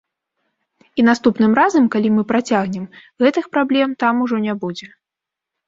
І наступным разам, калі мы працягнем, гэты х праблем там ужо не будзе.